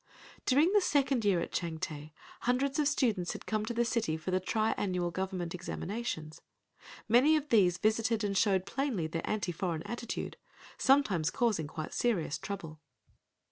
During the second year at Changte hundreds of students had come to the city for the tri annual government examinations. Many of these visited and showed plainly their anti foreign attitude—sometimes causing quite serious trouble.